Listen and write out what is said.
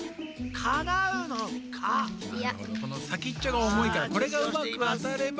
このさきっちょがおもいからこれがうまくあたれば。